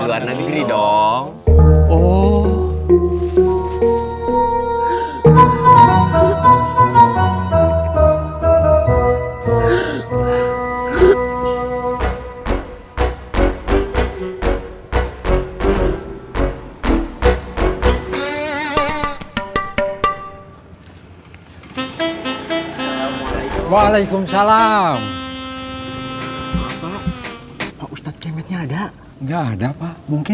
nanti aku balik lagi